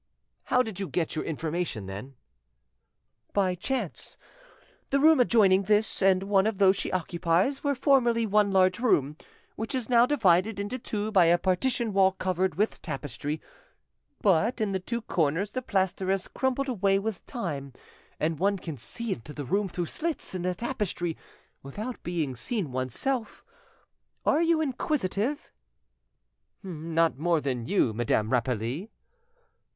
"How did you get your information, then?" "By chance. The room adjoining this and one of those she occupies were formerly one large room, which is now divided into two by a partition wall covered with tapestry; but in the two corners the plaster has crumbled away with time, and one can see into the room through slits in the tapestry without being seen oneself. Are you inquisitive?" "Not more than you, Madame Rapally."